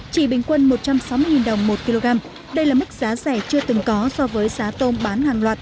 chỉ bình quân một trăm sáu mươi đồng một kg đây là mức giá rẻ chưa từng có so với giá tôm bán hàng loạt